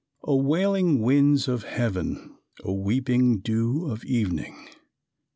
O wailing winds of heaven! O weeping dew of evening!